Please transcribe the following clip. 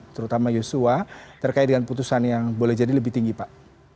terutama yosua terkait dengan putusan yang boleh jadi lebih tinggi pak